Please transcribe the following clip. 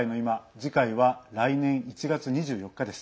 次回は来年１月２４日です。